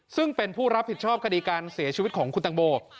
ซึ่งเป็นผู้รับผิดชอบคดีการเสียชีวิตของคุณตังโม